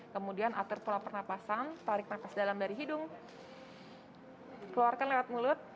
kemudian atur pola pernapasan tarik nafas dalam dari hidung keluarkan lewat mulut